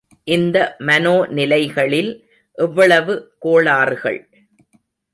இந்த மனோ நிலைகளில் எவ்வளவு கோளாறுகள்!